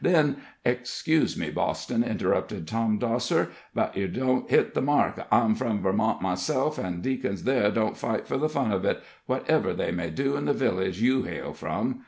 Then " "Excuse me, Boston," interrupted Tom Dosser, "but yer don't hit the mark. I'm from Vermont myself, an' deacons there don't fight for the fun of it, whatever they may do in the village you hail from."